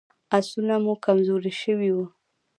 آسونه مو کمزوري شوي وو.